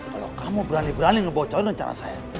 kalau kamu berani berani ngebocorin dengan cara saya